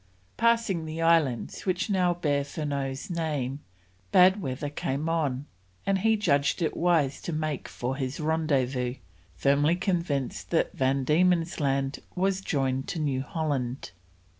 Passing the islands which now bear Furneaux's name, bad weather came on, and he judged it wise to make for his rendezvous, firmly convinced that Van Diemen's Land was joined to New Holland.